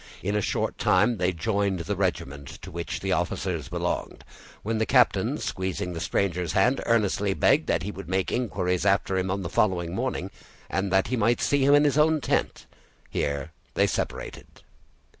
In a short time they joined the regiment to which the officers belonged, when the captain, squeezing the stranger's hand, earnestly begged that he would make inquiries after him on the following morning, and that he might see him in his own tent. Here they separated.